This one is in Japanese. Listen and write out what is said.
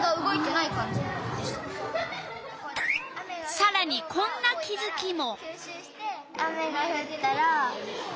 さらにこんな気づきも。